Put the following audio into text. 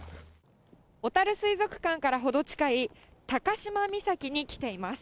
おたる水族館から程近い高島岬に来ています。